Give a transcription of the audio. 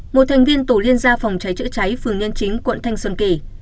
một thành viên tổ liên gia phòng cháy chữa cháy phường nhân chính quận thanh xuân kỳ